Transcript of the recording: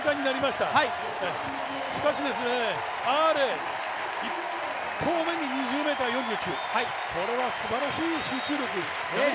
しかしアーレイ、１投目に２０ｍ４９これはすばらしい集中力。